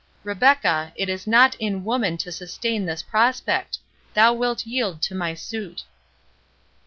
—Rebecca, it is not in woman to sustain this prospect—thou wilt yield to my suit."